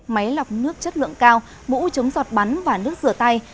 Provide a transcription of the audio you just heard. máy lọc nước chất lượng cao mũ chống giọt bắn và nước rửa tay